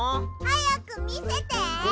はやくみせて。